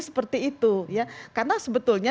seperti itu karena sebetulnya